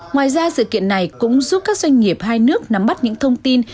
ngoài ra sự kiện này cũng giúp các doanh nghiệp hai nước nắm bắt những thông tin